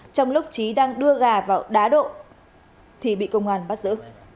trong lúc trí đang đưa gà vào đá độ thì bị công an bắt giữ